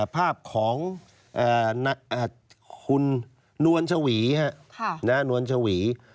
ภาพของคุณนวลฉวีนะครับ